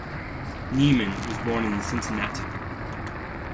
Nieman was born in Cincinnati.